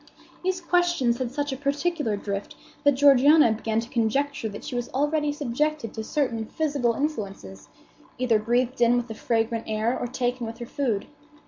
These questions had such a particular drift that Georgiana began to conjecture that she was already subjected to certain physical influences, either breathed in with the fragrant air or taken with her food.